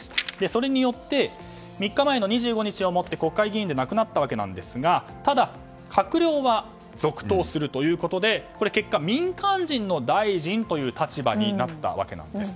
それによって３日前の２５日をもって国会議員でなくなったわけですがただ、閣僚は続投するということで結果、民間人の大臣という立場になったわけなんです。